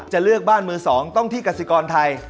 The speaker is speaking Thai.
เลือกบ้านมือ๒ต้องที่กสิกรไทย